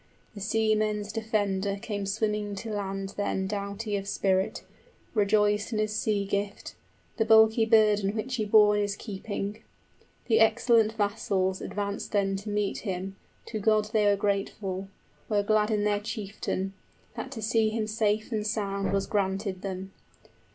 The seamen's defender came swimming to land then 65 Doughty of spirit, rejoiced in his sea gift, The bulky burden which he bore in his keeping. The excellent vassals advanced then to meet him, To God they were grateful, were glad in their chieftain, That to see him safe and sound was granted them.